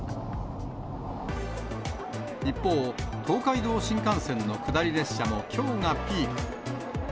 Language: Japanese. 一方、東海道新幹線の下り列車もきょうがピーク。